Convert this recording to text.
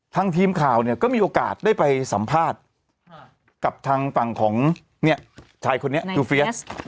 ทีมข่าวเนี่ยก็มีโอกาสได้ไปสัมภาษณ์กับทางฝั่งของเนี่ยชายคนนี้คือเฟียส